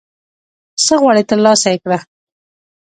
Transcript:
څه غواړي ترلاسه یې کړه